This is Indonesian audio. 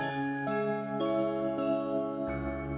dengan ingatan dan doa kamu